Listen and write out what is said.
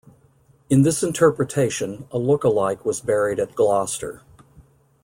In this interpretation, a look-alike was buried at Gloucester.